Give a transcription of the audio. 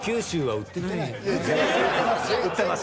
売ってます。